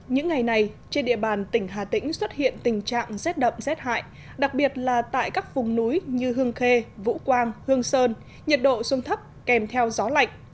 những ngày này trên địa bàn tỉnh hà tĩnh xuất hiện tình trạng rét đậm rét hại đặc biệt là tại các vùng núi như hương khê vũ quang hương sơn nhiệt độ xuống thấp kèm theo gió lạnh